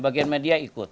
bagian media ikut